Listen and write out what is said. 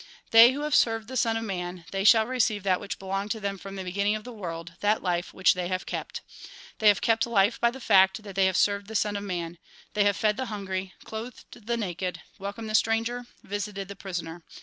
" They who have served the Son of Man, they shall receive that which belonged to them from the beginning of the world, that life which they have kept. They have kept hfe by the fact that they have served the Son of Man. They have fed tlie hungry, clothed the naked, welcomed the stranger, visited the prisoner.